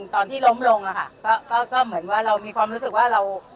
ตอนที่ล้มลงอะค่ะก็เหมือนว่าเรามีความรู้สึกว่าเรา